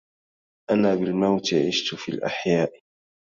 أنا بالموت عشت في الأحياء